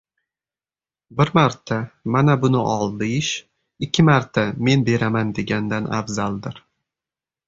• Bir marta “mana buni ol” deyish, ikki marta “men beraman” degandan afzaldir.